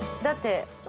だって。